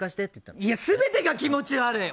いやすべてが気持ち悪い！